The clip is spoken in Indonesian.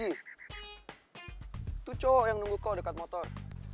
itu cowok yang nunggu kok dekat motor